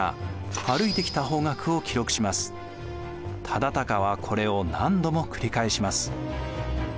忠敬はこれを何度も繰り返します。